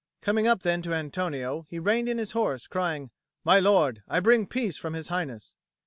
Coming up then to Antonio, he reined in his horse, crying, "My lord, I bring peace from His Highness."